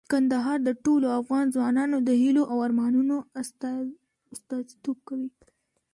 کندهار د ټولو افغان ځوانانو د هیلو او ارمانونو استازیتوب کوي.